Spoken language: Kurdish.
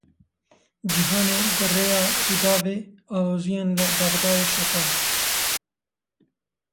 Cîhanê bi rêya Rûdawê aloziyên li Bexdayê şopand.